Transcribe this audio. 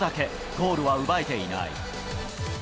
ゴールは奪えていない。